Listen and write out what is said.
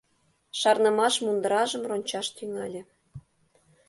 Шарнымаш мундыражым рончаш тӱҥале.